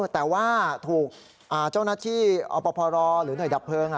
แต่ว่าถูกเจ้าหน้าที่อพรหรือหน่วยดับเพลิง